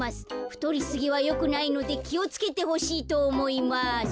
ふとりすぎはよくないのできをつけてほしいとおもいます」。